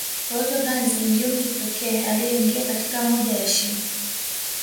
Forojo Ganze ndiye mtu pekee aliyeingia katika moja ya shimo